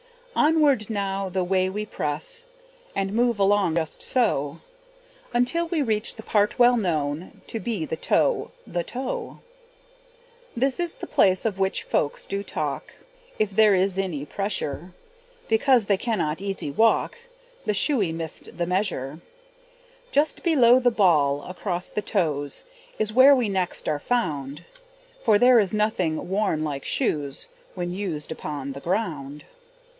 Onward now the way we press, And move along just so, Until we reach the part well known To be the toe, the toe. This is the place of which folks do talk, If there is any pressure, Because they cannot easy walk, The shoey missed the measure. Just below the ball, across the toes, Is where we next are found; For there is nothing worn like shoes When used upon the ground.